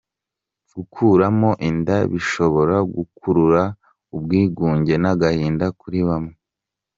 Gukuramo inda bishobora gukurura ubwigunge n'agahinda kuri bamwe.